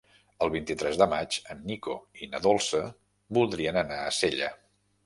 El vint-i-tres de maig en Nico i na Dolça voldrien anar a Sella.